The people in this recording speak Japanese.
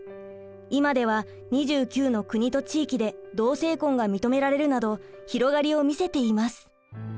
今では２９の国と地域で同性婚が認められるなど広がりを見せています。